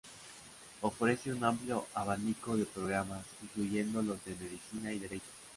Ofrece un amplio abanico de programas, incluyendo los de medicina y derecho.